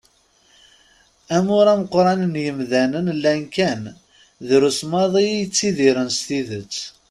Amur n ameqqran n yimdanen llan kan , drus maḍi i yettidiren s tidet.